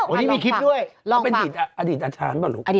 อันนี้มีคลิปด้วยคืออดีตอชาญ